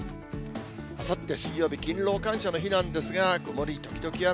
あさって水曜日、勤労感謝の日なんですが、曇り時々雨。